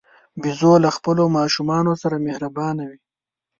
بیزو له خپلو ماشومانو سره مهربانه وي.